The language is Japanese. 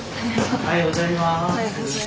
おはようございます。